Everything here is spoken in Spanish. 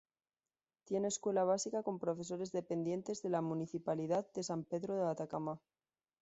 Tiene escuela básica con profesores dependientes de la municipalidad de San Pedro de Atacama.